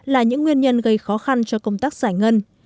là những nguyên nhân gây khó khăn cho công tác giải ngân